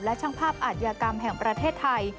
และช่างภาพอาธิกรรมแห่งประเทศไทย